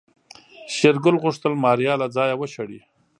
شېرګل غوښتل ماريا له ځايه وشړي.